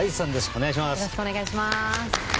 お願いします。